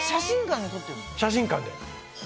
写真館で。